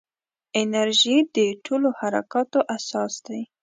انرژي د ټولو حرکاتو اساس دی.